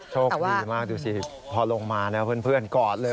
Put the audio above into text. โชคดีมากดูสิพอลงมานะเพื่อนกอดเลย